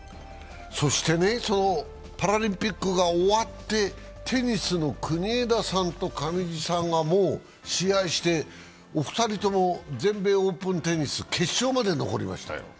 パラリンピックが終わってテニスの国枝さんと上地さんがもう試合して、お二人とも全米オープンテニス、決勝まで残りましたよ。